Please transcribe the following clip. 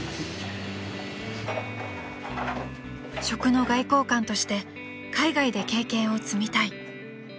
［食の外交官として海外で経験を積みたい］